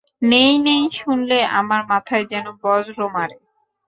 নেই নেই শুনলে আমার মাথায় যেন বজ্র মারে।